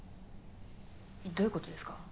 どういう事ですか？